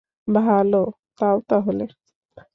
ভালো, তাও তাহলে।